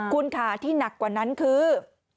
คุณค่ะที่หนักกว่านั้นคือ